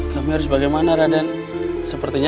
kita semua gagal panen raden